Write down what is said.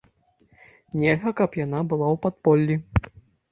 Нельга, каб яна была ў падполлі.